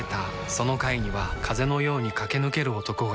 その階には風のように駆け抜ける男がいた